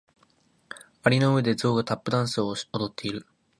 蟻の上でゾウがタップダンスを踊っている。